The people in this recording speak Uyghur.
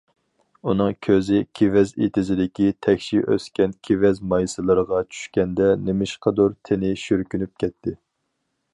ئۇنىڭ كۆزى كېۋەز ئېتىزىدىكى تەكشى ئۆسكەن كېۋەز مايسىلىرىغا چۈشكەندە، نېمىشقىدۇر تېنى شۈركۈنۈپ كەتتى.